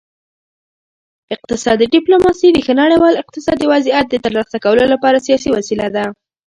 اقتصادي ډیپلوماسي د ښه نړیوال اقتصادي وضعیت د ترلاسه کولو لپاره سیاسي وسیله ده